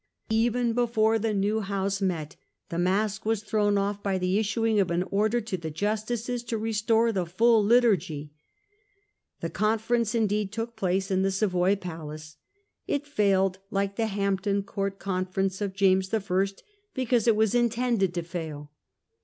Even before the new House met the mask was thrown off by the issuing of an Dissolution order to the justices to restore the full liturgy. Convention ^he con ^ erence indeed took place in the Savoy Parliament. Palace. It failed, like the Hampton Court Conference of James I., because it was intended to fail.